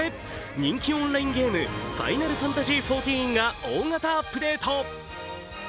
人気オンラインゲーム「ファイナルファンタジーＸＩＶ」が大型アップデート。